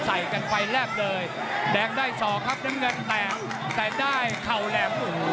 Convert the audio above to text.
ใส่กันไฟแรบเลยแดงได้สองครับดังนั้นแต่งแต่งได้เขาแหลมโอ้โห